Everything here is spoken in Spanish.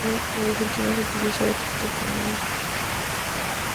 En Argentina se utiliza otro topónimo.